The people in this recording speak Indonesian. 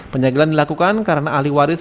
penyegelan dilakukan karena ahli waris